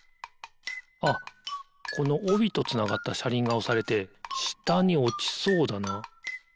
あっこのおびとつながったしゃりんがおされてしたにおちそうだな。